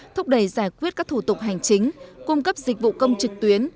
thúc đẩy giải quyết các thủ tục hành chính cung cấp dịch vụ công trực tuyến